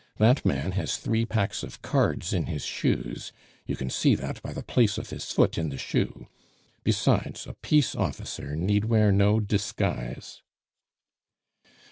That man has three packs of cards in his shoes; you can see that by the place of his foot in the shoe; besides, a peace officer need wear no disguise."